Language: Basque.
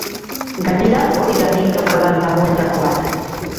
Gainera, hori da nik daukadan damuetako bat.